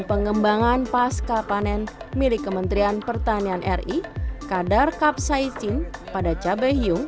pengembangan pasca panen milik kementerian pertanian ri kadar kapsaicin pada cabai hiung